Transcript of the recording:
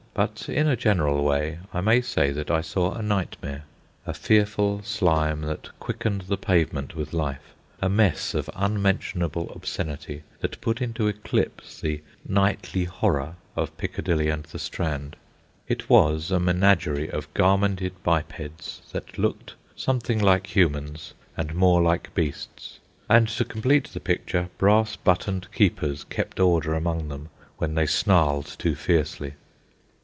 But in a general way I may say that I saw a nightmare, a fearful slime that quickened the pavement with life, a mess of unmentionable obscenity that put into eclipse the "nightly horror" of Piccadilly and the Strand. It was a menagerie of garmented bipeds that looked something like humans and more like beasts, and to complete the picture, brass buttoned keepers kept order among them when they snarled too fiercely.